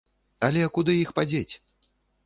Але куды іх падзець?